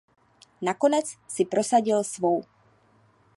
Nakonec si prosadil svou.